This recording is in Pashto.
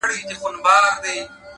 هره ورځ د بدلون فرصت دی؛